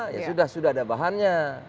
ya sudah ada bahannya